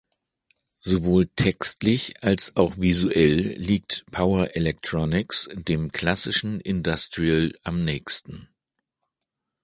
Sowohl textlich als auch visuell liegt Power Electronics dem klassischen Industrial am nächsten.